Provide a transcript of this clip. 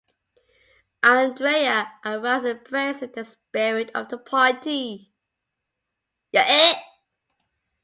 Andrea arrives and embraces the spirit of the party.